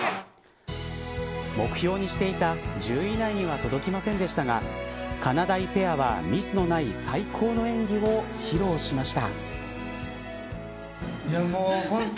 目標にしていた１０位以内には届きませんでしたがかなだいペアはミスのない最高の演技を披露しました。